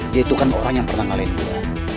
dia itu kan orang yang pernah ngalahin gue